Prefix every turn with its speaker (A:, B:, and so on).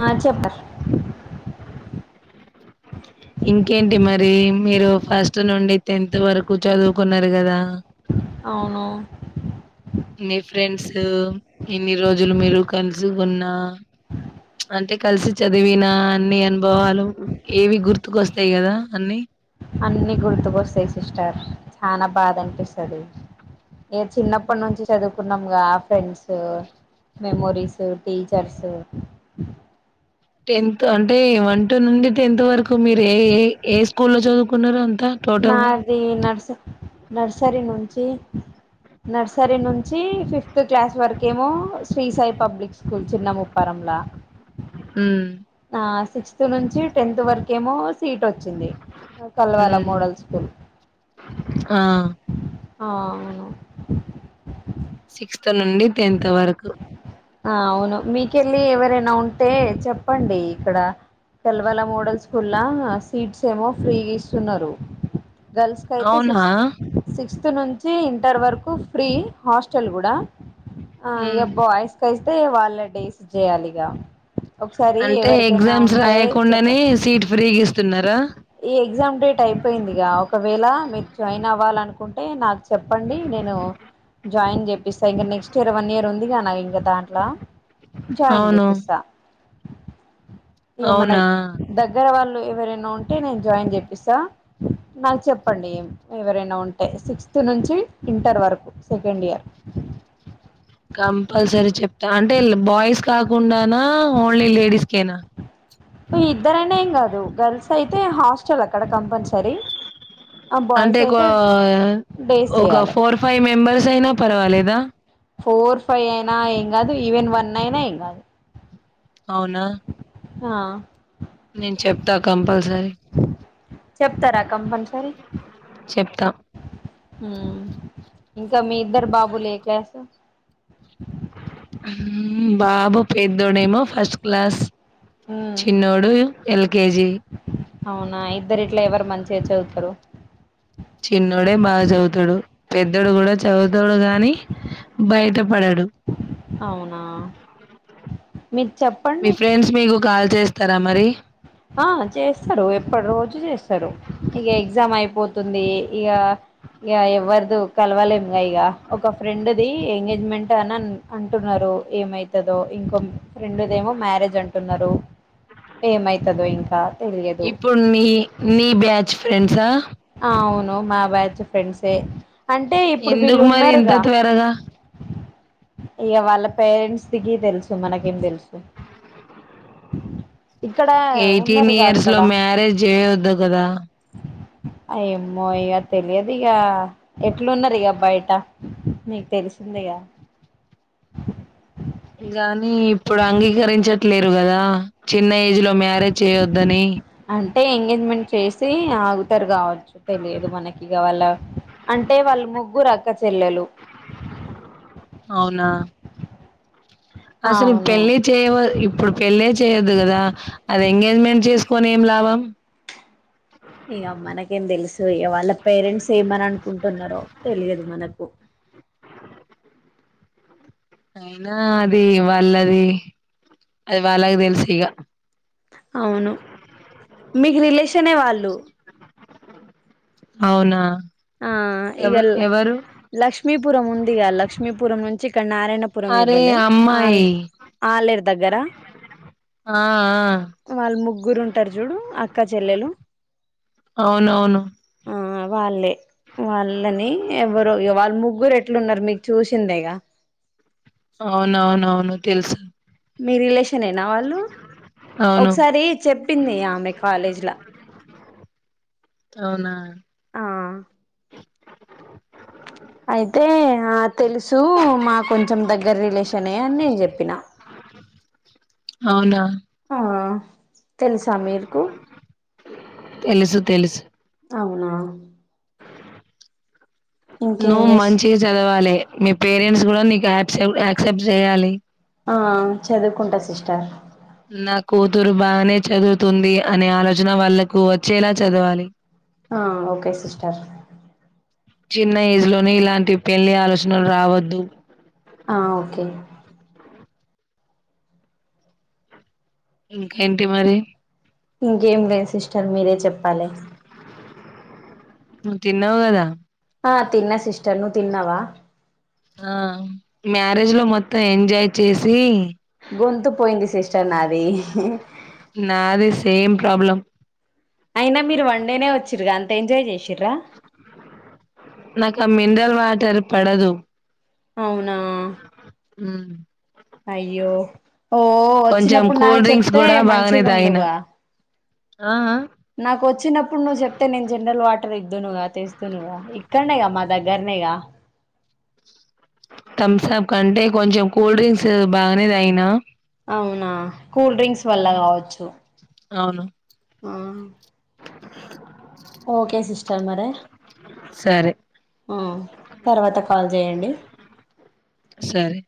A: మాచప్పర్.
B: ఇంకేంటి మరి మీరు ఫస్ట్ నుండి టెన్త్ వరకు చదువుకున్నారు కదా.
A: అవును.
B: మీ ఫ్రెండ్స్ ఇన్ని రోజులు మీరు కలుసుకున్నా ప్చ్ అంటే కలిసి చదివినా అన్ని అనుభవాలు ఏవి గుర్తుకొస్తాయి కదా అన్ని.
A: అన్ని గుర్తుకొస్తాయి సిస్టర్ చానా బాధ అనిపిస్తది. ఏ చిన్నప్పటి నుంచి చదువుకున్నాముగా ఫ్రెండ్స్ మెమోరీస్ టీచర్సు.
B: టెన్త్ అంటే వన్ టూ నుండి టెన్త్ వరకు మీరు ఏ ఏ ఏ స్కూల్ లో చదువు నుకున్నారు అంతా టోటల్ గా.
A: నాది నర్స్ నర్సరీ నుంచి నర్సరీ నుంచి ఫిఫ్త్ క్లాస్ వరకేమో శ్రీ సాయి పబ్లిక్ స్కూల్ చిన్న ముప్పరంలా.
B: ఉమ్
A: ఆహ్ సిక్స్త్ నుంచి టెన్త్ వరకేమో సీట్ వచ్ వచ్చింది ఆహ్ కల్వాల
B: ఉమ్
A: మోడల్ స్కూల్.
B: ఆ
A: ఆహ్ అవును.
B: సిక్స్త్ నుండి టెన్త్ వరకు.
A: ఆహ్ అవును మీకెళ్ళి ఎవరైనా ఉంటే చెప్పండి. ఇక్కడ తెల్వాల మోడల్స్కుల్లా సీట్స్ ఏమో ఫ్రీ గీస్తున్నారు. గర్ల్స్ కైతే
B: అవునా
A: సిక్స్త్ సిక్స్త్. టెన్త్ నుంచి ఇంటర్ వరకు ఫ్రీ హాస్టల్ కూడా. ఆహ్
B: ఉమ్
A: ఎబ్బో అయిస్త. కెళ్తే వాళ్ళ డేస్ చేయాలి ఇగా.
B: అంటే ఎగ్జామ్స్ రాయకుండానే
A: చెప్పండి
B: సీట్ ఫ్రీ ఇస్తున్నారా.
A: ఈ ఎగ్జామ్ డేట్ అయిపోయిందిగా ఒకవేళ. ఇలా మీరు జాయిన్ అవ్వాలనుకుంటే నాకు చె చెప్పండి నేను. జాయిన్ జేపిస్తా ఇంకా నెక్స్ట్ ఇయర్ వన్ ఇయర్ ఉందిగా నావి ఇంకా దాంట్లా. జాయిన్
B: అవును
A: చేపిస్తా. ఇగ
B: అవునా
A: మనకు దగ్గర వాళ్ళు. ఎవరైనా ఉంట అంటే నేను జాయిన్ జెపిస్త నాకు చెప్పండి ఏం ఎవరైనా ఉంటే సిక్స్త్ నుంచి ఇంటర్ వరకు సెకండ్ ఇయర్
B: కంపల్సరీ చెప్తా అంటే బాయ్స్ కాకుండానా ఓన్లీ లేడీస్కేనా
A: ఇద్దరనే ఏం గాదు గర్ల్స్ అయితే హాస్టల్ అక్కడ కంపల్సరీ ఆ
B: అంటే
A: బాయ్స్
B: ఒక
A: అయితే డేస్
B: ఒక
A: చేయాలి
B: ఫోర్ ఫైవ్ మెంబర్స్ అయినా పర్వాలేదా
A: ఫోర్ ఫైవ్ అయినా ఏం గాదు ఈవెన్ వన్ అయినా ఏం గాదు
B: అవునా
A: హా
B: నేను చెప్తా కంపల్సరీ
A: చెప్తారా కంపల్సరీ
B: చెప్తా
A: ఇంకా మీ ఇద్దరు బాబులు ఏ క్లాసు
B: బాబు పెద్దోడేమొ ఫస్ట్ క్లాస్ చిన్నోడు ఎల్కెజీ
A: అవునా ఇద్దరు ఎట్ల ఎవరు మంచిగా చదువుతారు
B: చిన్నోడే బాగా చదువుతాడు పెద్దోడు కూడా చదువుతాడు గాని బయట పడడు
A: అవునా మీరు చెప్పండి
B: తరా మరి
A: ఆ చేస్తారు ఎప్పటి రోజు చేస్తారు ఇక ఎగ్జామ్ అయిపోతుంది ఇగ ఇగ ఎవరిదో కలవలేము ఇగ ఒక ఫ్రెండ్ ది ఎంగేజ్మెంట్ అని అంటున్నారు ఏమైతదో ఇంకో ఫ్రెండ్ ది ఏమో మ్యారేజ్ అంటున్నారు ఏమైతు చదో ఇంకా
B: ఇప్పుడు నీ నీ బ్యాచ్ ఫ్రెండ్సా
A: అవును మా బ్యాచ్ ఫ్రెండ్సే అంటే ఇప్పుడు వీళ్ళు
B: ఎందుకు మరి ఇంత త్వరగా
A: ఇగ వాళ్ళ పేరెంట్స్ దికి తెలుసు మనకేం తెలుసు ఇక్కడ
B: ఎయిటీన్
A: ఉన్నారుగా
B: ఇయర్స్ లో మ్యారేజ్ చేయొద్దు కదా
A: ఏమో ఇక తెలియదు ఇక ఎట్లున్నారు ఇక బయట నీకు తెలిసిందిక
B: ఇగ ఇప్పుడు అంగీకరించట్ లేరు కదా చిన్న ఏజ్ లో మ్యారేజ్ చేయొద్దని
A: అంటే ఎంగేజ్మెంట్ చేసి ఆగుతారు గావచ్చు తెలియదు మనకి ఇక వాళ్ళ అంటే వాళ్ళు ముగ్గురు అక్క చెల్లెలు
B: అవునా అసలు
A: అవును
B: పెళ్ళి చేయ వ ఇప్పుడు పెళ్ళి చేయద్దు కదా అది ఎంగేజ్మెంట్ చేసుకొని ఏం లాభం
A: సో ఇగ వాళ్ళ పేరెంట్స్ ఏమని అనుకుంటున్నారో తెలియదు మనకు
B: అయినా అది వాళ్ళది అది వాళ్ళకి తెలుసు ఇగ
A: అవును మీకు రిలేషన్ వాళ్ళు
B: అవునా
A: ఆ ఇగ
B: ఎవ ఎవరు
A: లక్ష్మీపురం ఉందిగా. లక్ష్మీపురం ను ఇక్కడ నారాయణపురం
B: అరే
A: ఇవ్వలే ఆ
B: అమ్మాయి
A: ఆలేరు దగ్గర
B: ఆ ఆ
A: వాళ్ళ ముగ్గు గురుంటర్ చూడు అక్కా చెల్లెలు
B: అవునవును
A: ఆ వాళ్ళే వాళ్ళని ఎవరు వాళ్ళు ముగ్గురు ఎట్లు ఉన్నారు మీకు చూసిందేగా.
B: అవునవునవును తెలుసు.
A: మీ రిలేషన్ అంతేనా వాళ్ళు
B: అవును
A: ఒకసారి చెప్పింది. ఆమె కాలేజ్ లా
B: అవునా
A: ఆ అయితే ఆ తెలిసు సో మా కొంచెం దగ్గర రిలేషన్ అని నేను చెప్పిన
B: అవునా
A: ఆ తెలుసా మీకు
B: తెలుసు తెలుసు
A: అవునా ఇంకేం
B: నువ్వ్
A: చేస్
B: మంచిగ చదవాలె మీ పేరెంట్స్ కూడా నీకు యాక్సెప్ట్, యాక్సెప్ట్ చేయాలి.
A: ఆ చదువుకుంటా సిస్టర్.
B: బాగనే చదువుతుంది, అనే ఆలోచన వాళ్ళలకు వచ్చేలా చదవాలి.
A: ఆ ఓకే సిస్టర్
B: చిన్న ఏజ్లోనే ఇలాంటి పెళ్లి ఆలోచనలు రావద్దు.
A: ఆ ఓకే
B: ఇంక్ ఏంటి మరి
A: ఇంకేం లేదు సిస్టర్ మీరే చెప్ప్. చ్చెప్పలె
B: నువ్ తిన్నావ్ గద
A: ఆ తిన్న సిస్టర్ నువ్ తిన్నావా
B: ఆ మ్యారేజ్ లో మొత్తం ఎంజాయ్ చేసీ
A: గొంతు పోయింది సిస్టర్ నాది.
B: నాదీ సేమ్ ప్రాబ్లం.
A: అయినా మీరు వన్డేనే వచ్చిరుగా అంత ఎంజాయ్ చేసిర్రా.
B: నాకా ఆ మినరల్ వాటర్ పడదు.
A: అవునా
B: ఉమ్.
A: అయ్యో ఓ
B: కొంచెం
A: వచ్చినప్పుడు
B: కూల్
A: నాకు
B: డ్రింక్స్
A: చెప్తే మంచిగాండుగా.
B: ఆ ఆ
A: నాకు వచ్చినప్పుడు నువ్వు చెప్తే నేను జనరల్ వాటర్ ఇద్దునుగా తెస్తునుగా, ఇక్కడనేగా మా దగ్గరనేగా.
B: థమ్సప్ అంటే కొంచెం కూల్ డ్రింక్స్ బాగానేది అయినా
A: అవునా కూల్డ్రింక్స్ వల్ల కావచ్చు.
B: అవును
A: ఆ ఓకే సిస్టర్ టర్ మరె
B: సరే
A: ఉమ్ తర్వాత కాల్ చేయండి
B: సరే